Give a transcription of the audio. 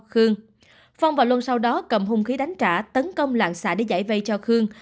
khương phong và luân sau đó cầm hung khí đánh trả tấn công lạng xã để giải vây cho khương